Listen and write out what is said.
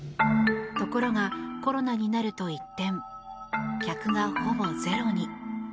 ところが、コロナになると一転客がほぼゼロに。